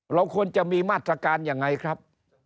เราควรจะมีมาตรการยังไงครับ